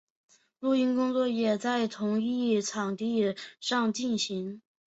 录音工作也在同一场地上进行。